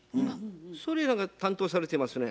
それ何か担当されてますね。